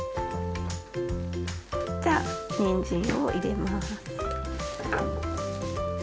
じゃにんじんを入れます。